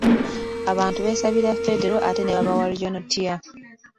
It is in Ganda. Abantu beesabira Federo ate ne babawa Regional tier.